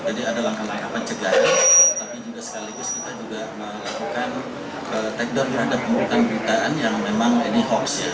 jadi ada langkah langkah pencegahan tapi juga sekaligus kita juga melakukan takedown terhadap pemberitaan yang memang ini hoax ya